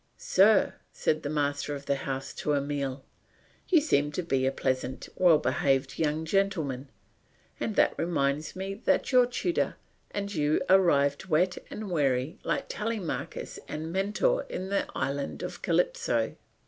"Sir," said the master of the house to Emile, "you seem to be a pleasant well behaved young gentleman, and that reminds me that your tutor and you arrived wet and weary like Telemachus and Mentor in the island of Calypso."